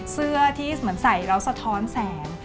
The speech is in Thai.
เสื้อที่เหมือนใส่แล้วสะท้อนแสง